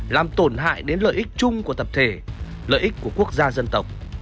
làm tổn hại đến lợi ích chung của tập thể lợi ích của quốc gia dân tộc